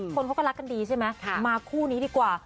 คนเขาก็รักกันดีใช่ไหมมาคู่นี้ดีกว่า